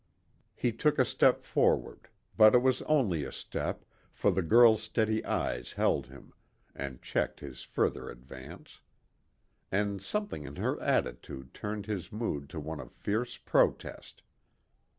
He took a step forward. But it was only a step, for the girl's steady eyes held him, and checked his further advance. And something in her attitude turned his mood to one of fierce protest.